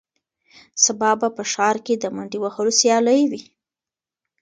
سبا به په ښار کې د منډې وهلو سیالي وي.